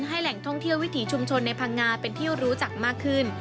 แหล่งท่องเที่ยววิถีชุมชนในพังงาเป็นที่รู้จักมากขึ้น